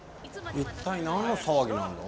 一体何の騒ぎなんだ？